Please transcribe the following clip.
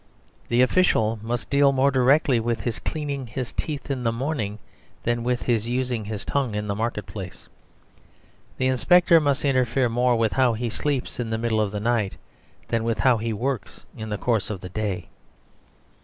The official must deal more directly with his cleaning his teeth in the morning than with his using his tongue in the market place. The inspector must interfere more with how he sleeps in the middle of the night than with how he works in the course of the day.